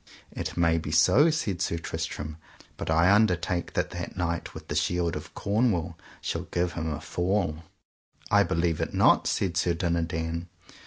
It may be so, said Sir Tristram, but I undertake that knight with the shield of Cornwall shall give him a fall. I believe it not, said Sir Dinadan.